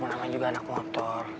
namanya juga anak motor